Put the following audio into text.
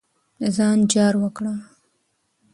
د ځان جار وکړه.